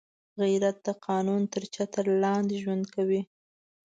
غیرت د قانون تر چتر لاندې ژوند کوي